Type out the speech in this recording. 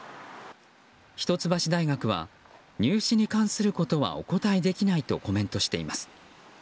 一橋大学は入試に関することはお答えできないとコメントしています。